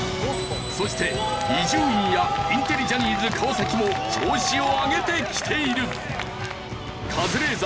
そして伊集院やインテリジャニーズ川も調子を上げてきている！